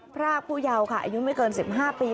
พรากผู้เยาว์ค่ะอายุไม่เกิน๑๕ปี